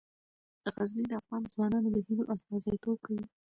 غزني د افغان ځوانانو د هیلو استازیتوب کوي.